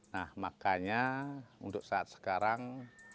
nah makanya untuk saat sekarang